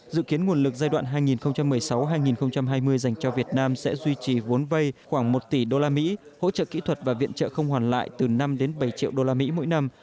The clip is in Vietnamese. dự kiến nguồn lực giai đoạn hai nghìn một mươi sáu hai nghìn hai mươi dành cho việt nam sẽ duy trì vốn vay khoảng một tỷ usd hỗ trợ kỹ thuật và viện trợ không hoàn lại từ năm đến bảy triệu usd mỗi năm